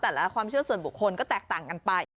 ความเชื่อส่วนบุคคลก็แตกต่างกันไป